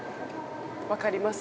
◆分かります。